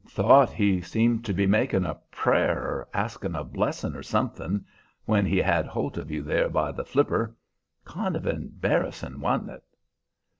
"Thought he seemed to be makin' a prayer or askin' a blessin' or somethin', when he had holt of you there by the flipper; kind of embarrassin', wa'n't it?"